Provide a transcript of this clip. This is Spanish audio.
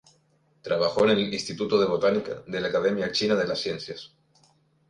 Trabajó en el "Instituto de Botánica", de la Academia China de las Ciencias.